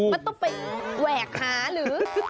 มันต้องไปแหวกหาหรือ